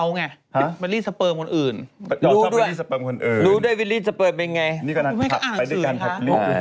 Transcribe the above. อันนี้ดีกว่านี้ดีกว่านี้